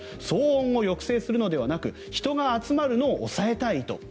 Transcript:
騒音を抑制するのではなく人が集まるのを抑えたいと。